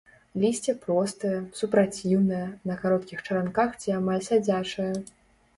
Лісце простае, супраціўнае, на кароткіх чаранках ці амаль сядзячае.